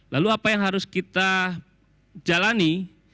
lalu apa yang harus kita jalani